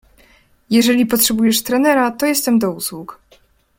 "Jeżeli potrzebujesz trenera, to jestem do usług."